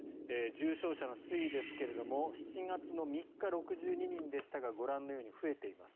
重症者の推移ですが７月３日、６２人でしたがご覧のように増えています。